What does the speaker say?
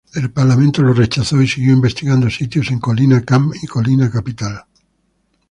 El Parlamento lo rechazó, y siguió investigando sitios en Colina Camp y Colina Capital.